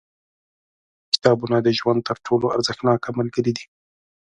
• کتابونه د ژوند تر ټولو ارزښتناک ملګري دي.